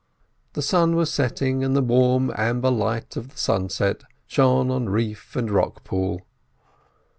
The sun was setting, and the warm amber light of the sunset shone on reef and rock pool.